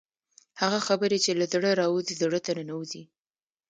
هغه خبرې چې له زړه راوځي زړه ته ننوځي.